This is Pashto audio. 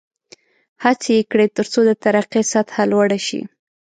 هڅې یې کړې ترڅو د ترقۍ سطحه لوړه شي.